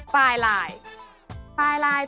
ปลายลาย